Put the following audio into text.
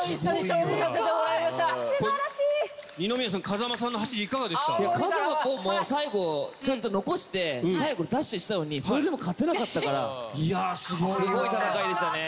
風間ぽんも最後ちょっと残して最後ダッシュしたのにそれでも勝てなかったからすごい戦いでしたね。